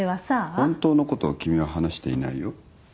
本当のことを君は話していないよ。